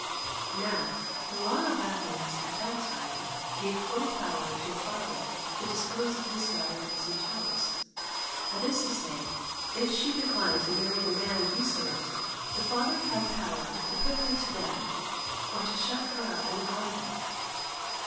Now, the law of Athens at that time gave full power to a father to dispose of his daughter as he chose; that is to say, if she declined to marry the man he selected, the father had power to put her to death or to shut her up in a convent.